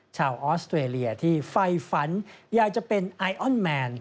ออสเตรเลียที่ไฟฝันอยากจะเป็นไอออนแมน